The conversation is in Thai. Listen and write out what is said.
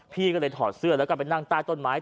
พี่ก็เลยถอดเสื้อแล้วก็ไปนั่งใต้ต้นไม้